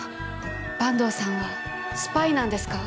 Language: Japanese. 坂東さんはスパイなんですか？